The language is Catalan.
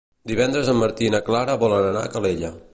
Divendres en Martí i na Clara volen anar a Calella.